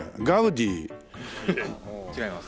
違います。